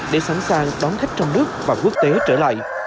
để sẵn sàng đón khách trong nước và quốc tế trở lại